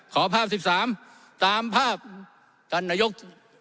ขอภาพ๑๓ตามภาพท่านนายก